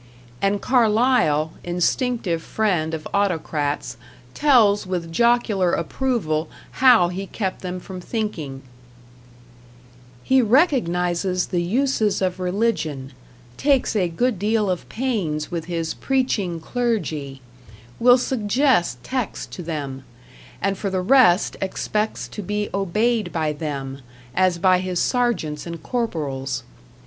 And Carlyle, instinctive friend of autocrats, tells with jocular approval how he kept them from thinking: He recognizes the uses of Religion; takes a good deal of pains with his Preaching Clergy; will suggest texts to them; and for the rest expects to be obeyed by them, as by his Sergeants and Corporals.